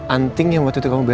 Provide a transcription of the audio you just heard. anting yang waktu itu kamu bilang